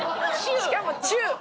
しかも「チュー」。